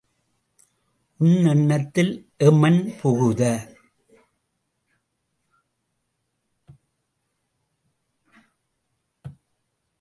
உன் எண்ணத்தில் எமன் புகுத.